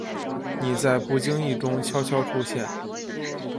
你在不经意中悄悄出现